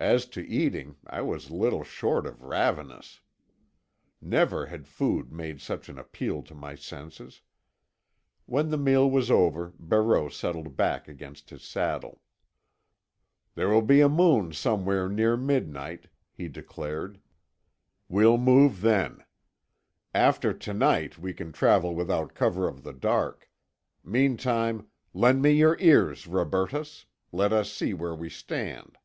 As to eating, I was little short of ravenous. Never had food made such an appeal to my senses. When the meal was over Barreau settled back against his saddle. "There will be a moon somewhere near midnight," he declared. "We'll move then. After to night we can travel without cover of the dark. Meantime, lend me your ears, Robertus. Let us see where we stand."